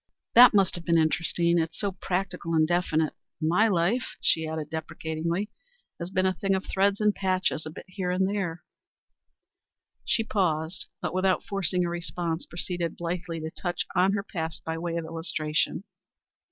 "That must have been interesting. It is so practical and definite. My life," she added deprecatingly, "has been a thing of threads and patches a bit here and a bit there." She paused, but without forcing a response, proceeded blithely to touch on her past by way of illustration.